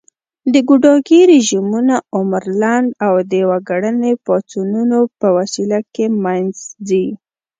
د ګوډاګي رژيمونه عمر لنډ او د وګړني پاڅونونو په وسیله له منځه ځي